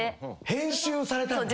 編集されたんだ。